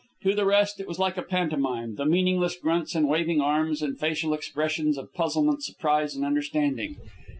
To the rest it was like a pantomime, the meaningless grunts and waving arms and facial expressions of puzzlement, surprise, and understanding.